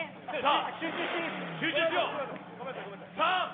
集中していいですか？